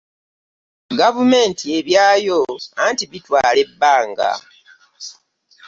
Gavumenti ebyayo anti bitwala ebbanga.